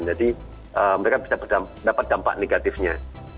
jadi mereka bisa mendapat dampak negatifnya